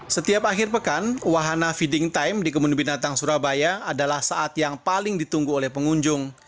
setiap akhir pekan wahana feeding time di kebun binatang surabaya adalah saat yang paling ditunggu oleh pengunjung